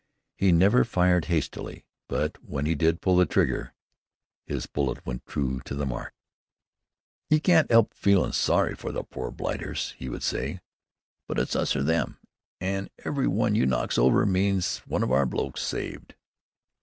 He never fired hastily, but when he did pull the trigger, his bullet went true to the mark. "You can't 'elp feelin' sorry for the poor blighters," he would say, "but it's us or them, an' every one you knocks over means one of our blokes saved."